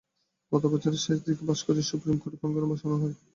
গত বছরের শেষ দিকে এ ভাস্কর্যটি সুপ্রিম কোর্ট প্রাঙ্গণে বসানো হয়।